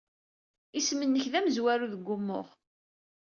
Isem-nnek d amezwaru deg wumuɣ.